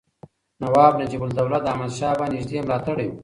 نواب نجیب الدوله د احمدشاه بابا نږدې ملاتړی و.